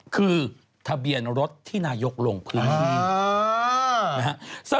คือทะเบียนรถที่นายกลงพื้นที่นะฮะ